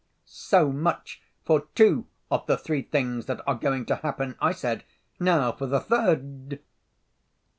"So much for two of the three things that are going to happen," I said. "Now for the third!"